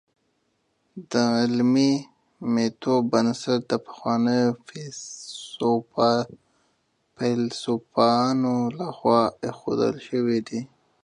د علمي ميتود بنسټ د پخوانیو فيلسوفانو لخوا ايښودل سوی دی.